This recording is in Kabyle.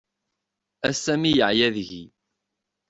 Ass-a mi yeɛya deg-i.